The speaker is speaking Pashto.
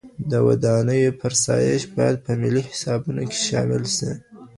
د ودانیو فرسایش باید په ملي حسابونو کي شامل سي.